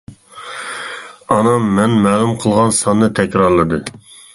ئانام مەن مەلۇم قىلغان ساننى تەكرارلىدى.